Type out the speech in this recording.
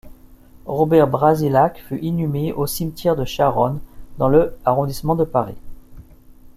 Robert Brasillach fut inhumé au cimetière de Charonne, dans le arrondissement de Paris.